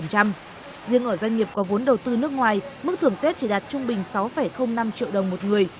riêng ở doanh nghiệp có vốn đầu tư nước ngoài mức thưởng tết chỉ đạt trung bình sáu năm triệu đồng một người